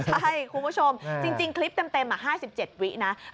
ใช่คุณผู้ชมจริงคลิปเต็มหลายห้าสิบเจ็ดวินาที